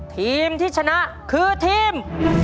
ทีมที่ชนะคือทีม